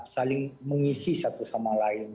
saling mengisi satu sama lain